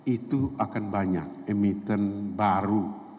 itu akan banyak emiten baru